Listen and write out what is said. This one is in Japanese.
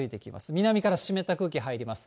南から湿った空気入ります。